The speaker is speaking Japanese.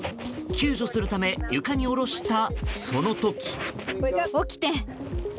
救助するため床に下ろしたその時。